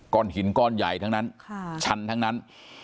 หินก้อนใหญ่ทั้งนั้นชันทั้งนั้น